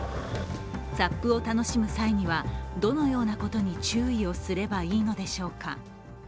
ＳＵＰを楽しむ際にはどのようなことに注意をすればいいのでしょうか。